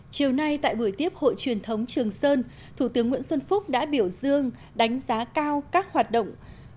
chiều nay tại buổi tiếp hội truyền thống trường sơn thủ tướng nguyễn xuân phúc đã biểu dương đánh giá cao các hoạt động